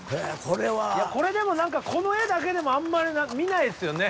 いやこれでも何かこの絵だけでもあんまり見ないですよね。